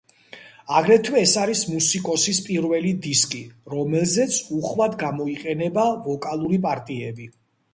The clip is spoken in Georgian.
აგრეთვე, ეს არის მუსიკოსის პირველი დისკი, რომელზეც უხვად გამოიყენება ვოკალური პარტიები.